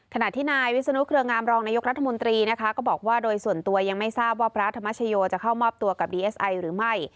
ขณะที่นายวิศนุเครืองามรองนายกรัฐมนตรีนะคะก็บอกว่าโดยส่วนตัวยังไม่ทราบว่าพระธรรมชโยจะเข้ามอบตัวกับดีเอสไอหรือไม่